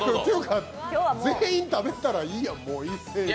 全員、食べたらいいやん、一斉に。